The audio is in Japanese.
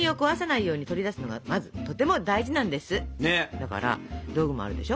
だから道具もあるでしょ？